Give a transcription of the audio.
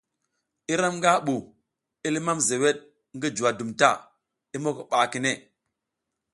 Iram nga bu, i limam zewed ngi juwa dum ta, i moko ba kine.